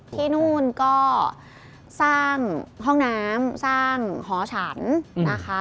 ที่นู่นก็สร้างห้องน้ำสร้างหอฉันนะคะ